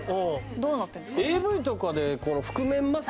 どうなってんですか？